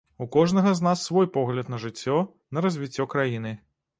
У кожнага з нас свой погляд на жыццё, на развіццё краіны.